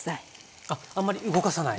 あっあんまり動かさない？